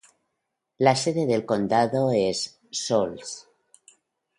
La sede del condado es Shoals.